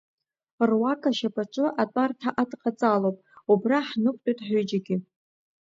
Руак ашьапаҿы атәарҭа адҟацалоуп, убра ҳнықутәеит ҳҩыџьагьы.